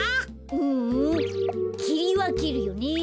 ううんきりわけるよね。